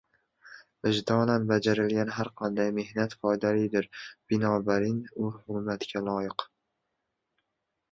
Vijdonan bajarilgan harqanday mehnat foydalidir, binobarin, u hurmatga loyiq.